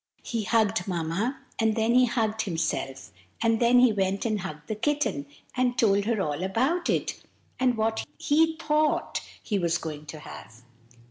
He hugged Mamma, and then he hugged himself, and then he went and hugged the kitten, and told her all about it, and what he thought he was going to have.